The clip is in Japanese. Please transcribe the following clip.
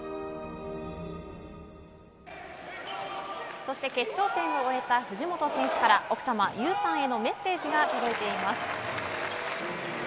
そして決勝戦を終えた藤本選手から奥様・優さんへのメッセージが届いています。